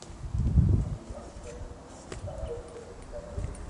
ھمي ڪاو ڪرو تو مني لاگي ڪوئي ڪريي